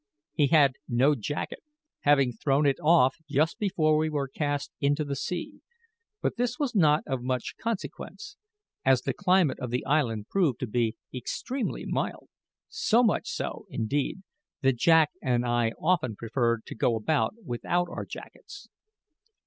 He had no jacket, having thrown it off just before we were cast into the sea; but this was not of much consequence, as the climate of the island proved to be extremely mild so much so, indeed, that Jack and I often preferred to go about without our jackets.